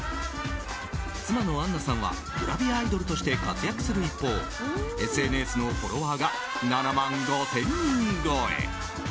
妻のあんなさんはグラビアアイドルとして活躍する一方ＳＮＳのフォロワーが７万５０００人超え。